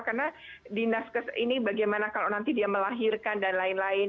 karena dinas ini bagaimana kalau nanti dia melahirkan dan lain lain